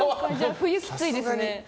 冬、きついですね。